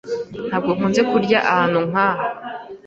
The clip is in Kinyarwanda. Ntabwo nkunze kurya ahantu nkaha.